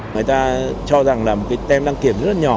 người ta cho rằng là một cái tem đăng kiểm rất nhỏ